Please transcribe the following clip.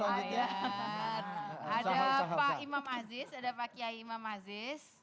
ada pak imam aziz ada pak kiai imam aziz